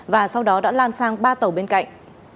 và sau đó đã lan sang ba tàu bên cạnh